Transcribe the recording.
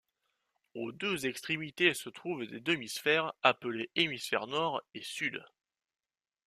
Aux deux extrémités se trouvent des demi-sphères, appelées hémisphères nord et sud.